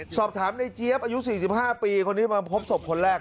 สอบถามในเจี๊ยบอายุ๔๕ปีคนที่มาพบศพคนแรก